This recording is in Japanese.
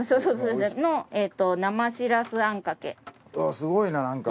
すごいななんか。